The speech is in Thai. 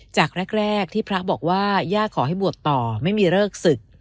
จากแรกที่พระบอกว่าย่าขอให้บวชต่อไม่มีเลิกศึก